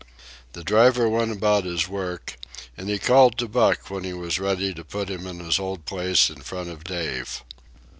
The driver went about his work, and he called to Buck when he was ready to put him in his old place in front of Dave.